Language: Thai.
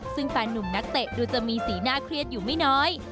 ซึ่งแฟนนุ่มนักเตะดูจะมีสีหน้าเครียดอยู่ไม่น้อย